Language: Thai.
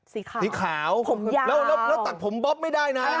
สีขาวสีขาวผมยาวแล้วตัดผมบ๊อบไม่ได้นะ